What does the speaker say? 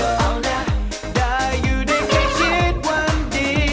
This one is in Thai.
เอานะได้อยู่ในใกล้คิดวันเดียว